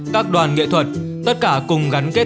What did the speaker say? các đoàn nghệ thuật tất cả cùng gắn kết